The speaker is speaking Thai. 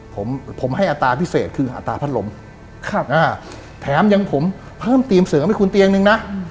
ผมผมให้อัตราพิเศษคืออัตราพัดลมแถมยังผมเพิ่มทีมเสริมให้คุณเตียงนึงนะ